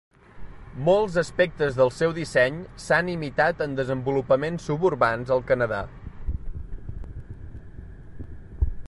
Molts aspectes del seu disseny s'han imitat en desenvolupaments suburbans al Canadà.